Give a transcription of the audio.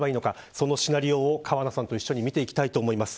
そのシナリオを河野さんと一緒に見ていきたいと思います。